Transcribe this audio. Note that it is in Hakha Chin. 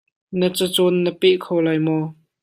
Na cacawn na peh kho lai maw?